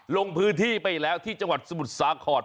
ลงพื้นที่ไปแล้วที่จังหวัดสมุทรสาคร